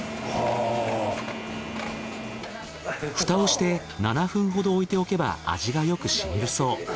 蓋をして７分ほど置いておけば味がよくしみるそう。